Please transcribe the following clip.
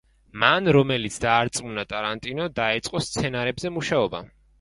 მან რომელიც დაარწმუნა ტარანტინო, დაეწყო სცენარებზე მუშაობა.